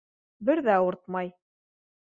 Бер ҙә ауыртмай.